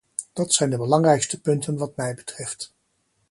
Dat zijn de belangrijkste punten wat mij betreft.